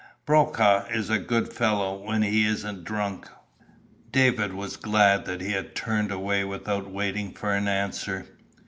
Brokaw is a good fellow when he isn't drunk." David was glad that he turned away without waiting for an answer.